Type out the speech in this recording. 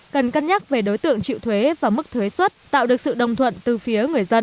cần cân nhắc về đối tượng chịu thuế và mức thuế xuất tạo được sự đồng thuận từ phía người dân